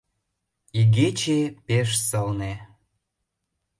Игече пеш сылне.